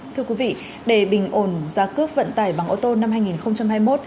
thưa quý vị để bình ồn giá cướp vận tải bằng ô tô năm hai nghìn hai mươi một